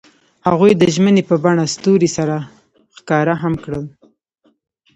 هغوی د ژمنې په بڼه ستوري سره ښکاره هم کړه.